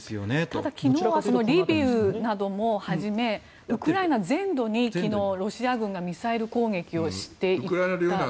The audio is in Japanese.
ただ、昨日はリビウなどもはじめウクライナ全土に昨日、ロシア軍がミサイル攻撃をしていたんですよね。